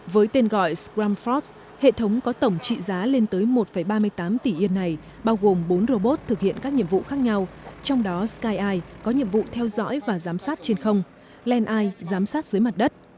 với tên gọi scrumfrost hệ thống có tổng trị giá lên tới một ba mươi tám tỷ yen này bao gồm bốn robot thực hiện các nhiệm vụ khác nhau trong đó skyeye có nhiệm vụ theo dõi và giám sát trên không landeye giám sát dưới mặt đất